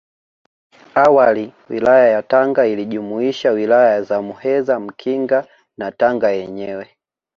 Awali Wilaya ya Tanga ilijumuisha Wilaya za Muheza Mkinga na Tanga yenyewe